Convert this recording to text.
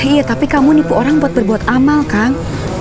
eh tapi kamu nipu orang buat berbuat amal kang